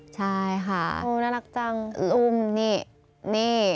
ใช่ค่ะโอ้น่ารักจังอุ้มนี่นี่